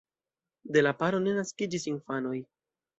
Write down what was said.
De la paro ne naskiĝis infanoj.